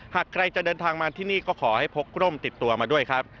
หากใครจะเดินทางมาที่นี่ก็ขอให้พกร่มติดตัวมาด้วยครับ